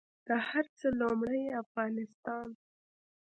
د هر څه لومړۍ افغانستان